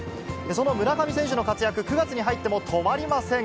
その村上選手の活躍、９月に入っても止まりません。